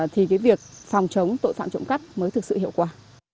thì việc phòng chống tội phạm trộn cắp mới thực sự hiệu quả